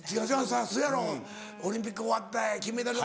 そらそやろオリンピック終わって金メダル。